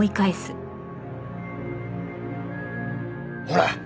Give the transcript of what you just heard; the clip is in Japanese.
ほら！